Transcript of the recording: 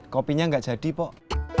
kopinya tidak jadi pak